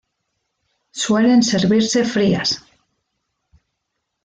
Suelen servirse frías.